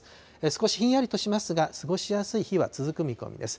少しひんやりとしますが、過ごしやすい日は続く見込みです。